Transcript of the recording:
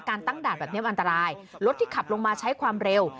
ตั้งด่านแบบนี้มันอันตรายรถที่ขับลงมาใช้ความเร็ว